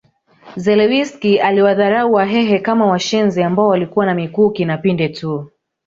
Zelewski aliwadharau Wahehe kama washenzi ambao walikuwa na mikuki na pinde tu